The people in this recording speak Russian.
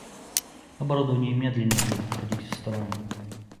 Оборудование медленнее будет выходить из строя